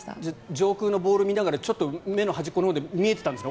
上空のボールを見ながら目の端っこのほうで見えてたんですか？